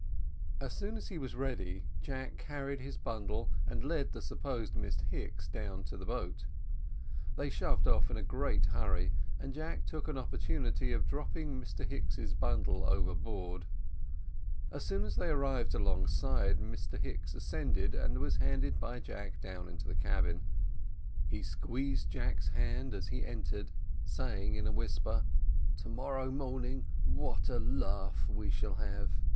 As soon as he was ready, Jack carried his bundle and led the supposed Miss Hicks down to the boat. They shoved off in a great hurry, and Jack took an opportunity of dropping Mr Hicks's bundle overboard. As soon as they arrived alongside, Mr Hicks ascended, and was handed by Jack down into the Cabin: he squeezed Jack's hand as he entered, saying in a whisper, "To morrow morning what a laugh we shall have!"